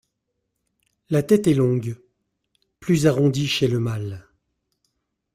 La tête est longue, plus arrondie chez le mâle.